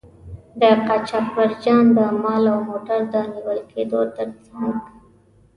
د قاچاقبرجان د مال او موټر د نیول کیدو تر څنګه.